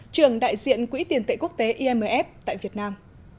trưởng đại diện quỹ tiền tệ quốc tế imf tại việt nam